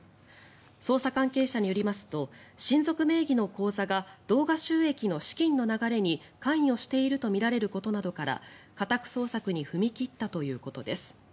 捜査関係者によりますと親族名義の口座が動画収益の資金の流れに関与しているとみられることなどから家宅捜索に踏み切ったということです。